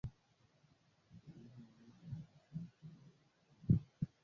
Ugonjwa wa homa ya mapafu huenezwa na matone ya mkojo